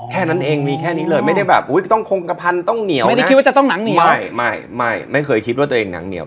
เขาเลยมานอนในห้องฉันวะ